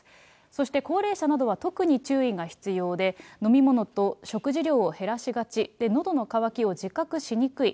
そして高齢者などは特に注意が必要で、飲み物と食事量を減らしがち、のどの渇きを自覚しにくい。